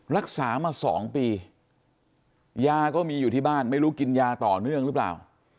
รักษามา๒ปียาก็มีอยู่ที่บ้านไม่รู้กินยาต่อเนื่องหรือเปล่า